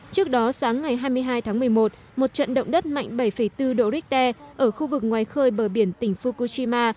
trước đó sáng ngày hai mươi hai tháng một mươi một một trận động đất mạnh bảy bốn độ richter ở khu vực ngoài khơi bờ biển tỉnh fukushima